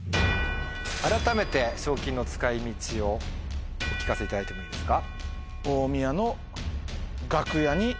改めて賞金の使い道をお聞かせいただいてもいいですか？